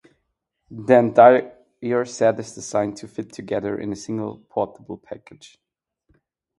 The entire set is designed to fit together in a single, portable package.